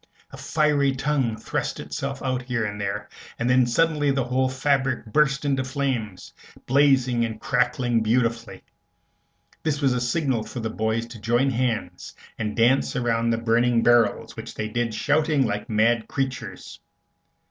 A fiery tongue thrust itself out here and there, then suddenly the whole fabric burst into flames, blazing and crackling beautifully. This was a signal for the boys to join hands and dance around the burning barrels, which they did shouting like mad creatures.